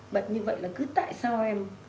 bận như vậy là cứ tại sao em